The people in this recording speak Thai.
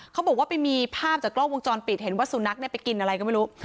เขาบอกว่าไปมีภาพจากกล้องวงจรปิดเห็นว่าสุนัขไปกินอะไรก็ไม่รู้